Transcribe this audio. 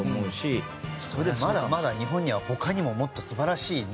それでまだまだ日本には他にももっと素晴らしいね。